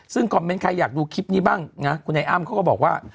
ซึ่งคอมเมนต์ใครอยากดูคลิปนี้บ้างนะคุณไอ้อ้ำเขาก็บอกว่า